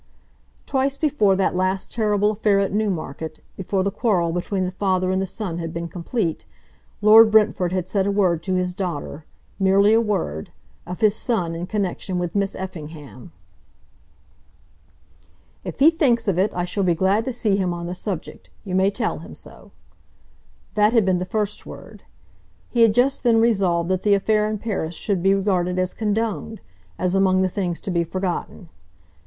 Twice before that last terrible affair at Newmarket, before the quarrel between the father and the son had been complete, Lord Brentford had said a word to his daughter, merely a word, of his son in connection with Miss Effingham. "If he thinks of it I shall be glad to see him on the subject. You may tell him so." That had been the first word. He had just then resolved that the affair in Paris should be regarded as condoned, as among the things to be forgotten.